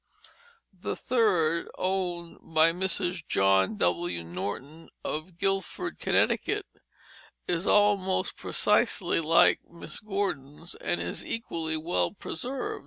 The third, owned by Mrs. John W. Norton of Guildford, Connecticut, is almost precisely like Miss Gordon's, and is equally well preserved.